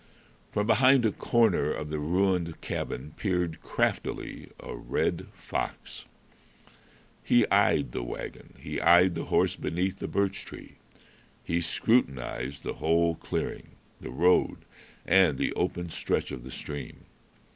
From behind a corner of the ruined cabin peered craftily a red fox. He eyed the wagon, he eyed the horse beneath the birch tree, he scrutinized the whole clearing, the road, and the open stretch of the stream.